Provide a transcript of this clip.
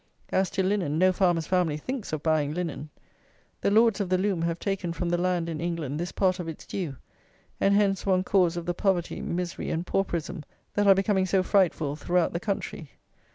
As to linen, no farmer's family thinks of buying linen. The Lords of the Loom have taken from the land, in England, this part of its due; and hence one cause of the poverty, misery, and pauperism that are becoming so frightful throughout the country.